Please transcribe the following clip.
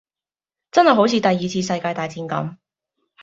真係好似第二次世界大戰咁